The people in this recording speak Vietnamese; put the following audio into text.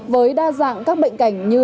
với đa dạng các bệnh cảnh như